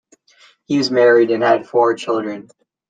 He was married and had four children.